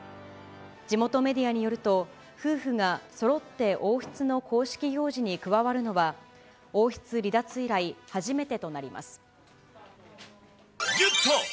地元メディアによると、夫婦がそろって王室の公式行事に加わるのは、王室離脱以来、初めてとなります。